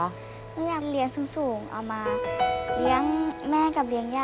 บิวอยากเอามาเลี้ยงแม่กับเลี้ยงย่าค่ะ